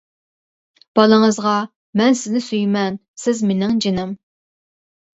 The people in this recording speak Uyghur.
بالىڭىزغا مەن سىزنى سۆيىمەن، سىز مېنىڭ جىنىم.